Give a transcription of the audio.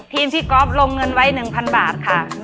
ทีมที่ก๊อฟลงเงินไว้๑๐๐บาทค่ะ